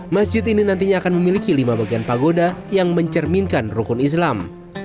masjid ini nantinya akan memiliki lima bagian pagoda yang mencerminkan rukun islam